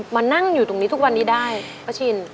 มานั่งอยู่ตรงนี้ทุกวันนี้ได้ป้าชิน